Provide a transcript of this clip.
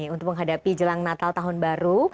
untuk menghadapi jelang natal tahun baru